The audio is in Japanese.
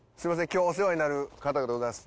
今日お世話になる方でございます。